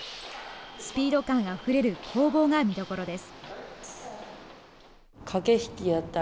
スピード感あふれる攻防が見どころです。